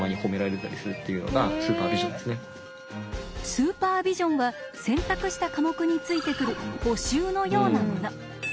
スーパービジョンは選択した科目についてくる補習のようなもの。